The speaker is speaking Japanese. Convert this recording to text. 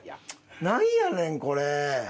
なんやねんこれ。